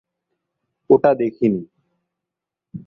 ওটা দেখিনি।